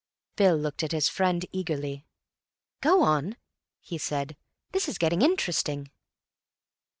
Bill looked at his friend eagerly. "Go on," he said. "This is getting interesting."